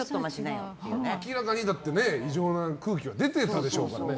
明らかに異常な空気が出ていたでしょうから。